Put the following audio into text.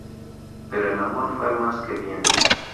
Pero el amor fue más que bien.